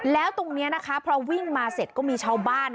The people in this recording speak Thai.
แล้วตรงนี้นะคะพอวิ่งมาเสร็จก็มีชาวบ้าน